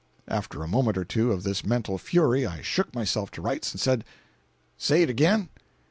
After a moment or two of this mental fury, I shook myself to rights, and said: "Say it again!"